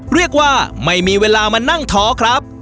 เรียกว่าไม่มีเวลามานั่งท้อครับ